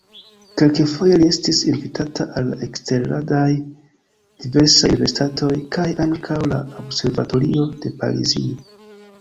Kelkfoje li estis invitita al eksterlandaj diversaj universitatoj kaj ankaŭ al observatorio de Parizo.